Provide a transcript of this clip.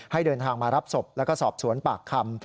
ให้เดินทางมารับศพและสอบสวนปากคำ